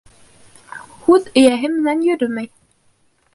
Һүҙ эйәһе менән йөрөмәй.